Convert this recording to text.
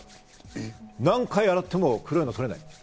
何回洗っても黒いのが取れないんです。